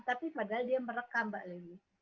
tapi padahal dia merekam mbak lewi